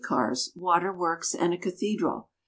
cars, waterworks, and a cathedral.